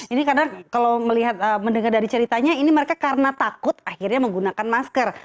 ini karena kalau melihat mendengar dari ceritanya ini mereka karena takut akhirnya menggunakan masker